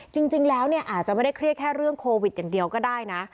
จริงแล้วเนี่ยอาจจะไม่ได้เครียดแค่เรื่องโควิดอย่างเดียวก็ได้นะ